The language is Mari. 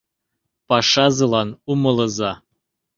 Пашазылан — умылыза!